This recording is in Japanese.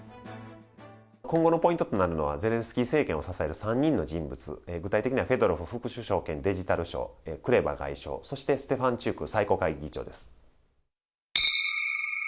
今後のポイントとなるのは、ゼレンスキー政権を支える３人の人物、具体的には、フェドロフ副首相兼デジタル相、クレバ外相、そしてステファンチュク最高国会議長です。